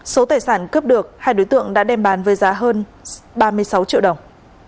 số tài sản cướp được hai đối tượng đã đem bán với giá hơn ba mươi sáu triệu đồng